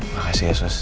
makasih ya sus